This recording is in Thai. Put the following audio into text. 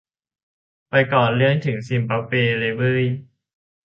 ไปก่อเรื่องถึงซิมบับเวเลยเว้ย